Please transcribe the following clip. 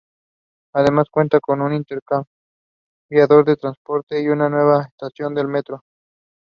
He usually painted on large canvases.